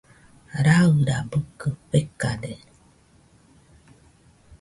Rairabɨkɨ fekade.